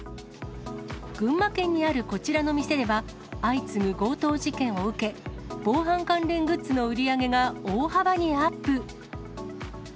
群馬県にあるこちらの店では、相次ぐ強盗事件を受け、防犯関連グッズの売り上げが大幅にアップ。